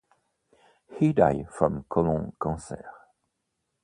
He died from colon cancer.